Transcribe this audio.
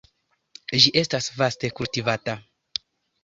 Ĝi estas vaste kultivata.